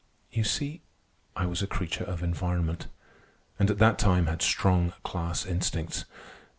You see, I was a creature of environment, and at that time had strong class instincts.